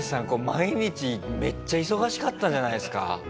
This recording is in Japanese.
毎日めっちゃ忙しかったんじゃないですか？